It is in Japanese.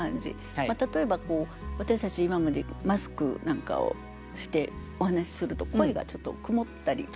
例えば私たち今までマスクなんかをしてお話しすると声がちょっと曇ったり。